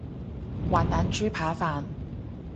滑蛋豬扒飯